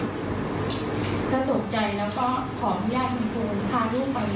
น้องถูกรักน้องทางที่